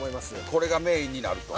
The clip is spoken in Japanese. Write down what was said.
これがメインになると。